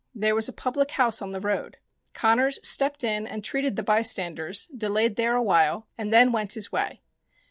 There was a public house on the road. Connors stepped in and treated the bystanders, delayed there a while, and then went his way.